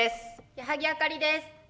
矢作あかりです。